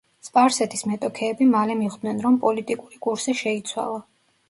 სპარსეთის მეტოქეები მალე მიხვდნენ რომ პოლიტიკური კურსი შეიცვალა.